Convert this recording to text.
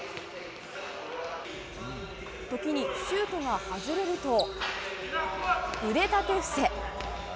時に、シュートが外れると腕立て伏せ。